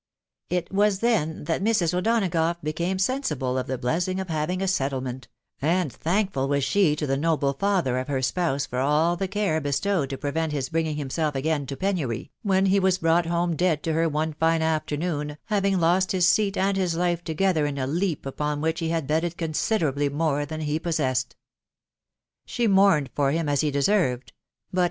It was then that Mrs. O'Donagough became sensible of the blessing of having a settlement ; and thankful was she to the noble father of her spouse for all the care bestowed to prevent his bringing himself again to penury, when he was brought home dead to her one fine afternoon, having lost his seat and his life together in a leap upon which he had betted consider ably more than he possessed.* 494 THE WIDOW BARNABY. She mourned for him as he deserved ; but